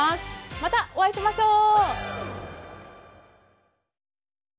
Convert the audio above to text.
またお会いしましょう！